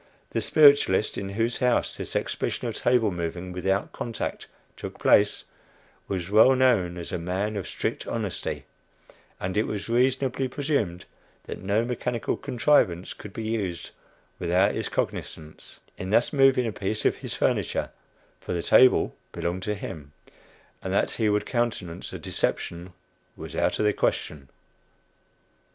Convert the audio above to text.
The spiritualist in whose house this exhibition of table moving "without contact" took place, was well known as a man of strict honesty; and it was reasonably presumed that no mechanical contrivance could be used without his cognizance, in thus moving a piece of his furniture for the table belonged to him and that he would countenance a deception was out of the question.